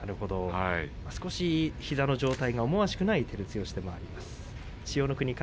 少し膝の状態が思わしくない照強です。